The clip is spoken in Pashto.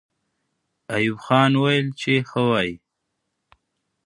ایوب خان وویل چې ښه وایئ.